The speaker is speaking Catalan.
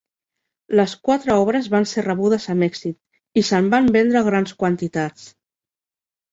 Les quatre obres van ser rebudes amb èxit i se'n van vendre grans quantitats.